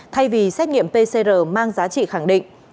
thay vì xét nghiệm pcr mang giá trị khẳng định